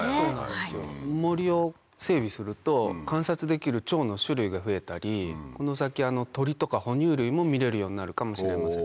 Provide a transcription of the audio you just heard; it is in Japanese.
森を整備すると観察できるチョウの種類が増えたりこの先鳥とか哺乳類も見れるようになるかもしれません。